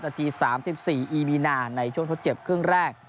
นาที๓๔อีมีนาในช่วงทดเจ็บครึ่งแรก